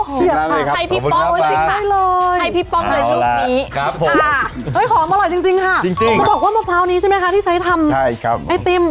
จะบอกว่ามะพร้าวนี้ที่ใช้ทำไอติม